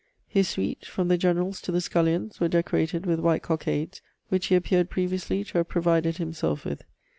His suite, from the generals to the scullions, were decorated with white cockades, which he appeared previously to have provided himself with.